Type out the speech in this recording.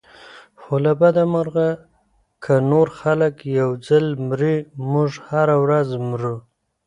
خو له بده مرغه که نور خلک یو ځل مري موږ هره ورځ مرو.